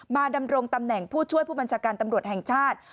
ดำรงตำแหน่งผู้ช่วยผู้บัญชาการตำรวจแห่งชาติ